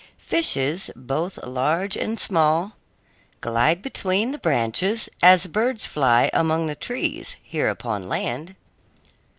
Fishes, both large and small, glide between the branches as birds fly among the trees here upon land.